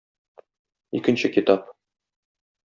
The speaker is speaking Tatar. Икенче китап.